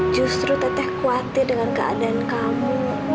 justru teteh khawatir dengan keadaan kamu